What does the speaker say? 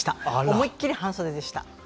思いっきり半袖でした。